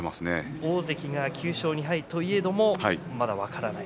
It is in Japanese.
大関が９勝２敗といえどもまだ分からない。